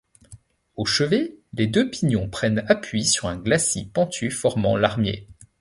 Au chevet, les deux pignons prennent appui sur un glacis pentu formant larmier.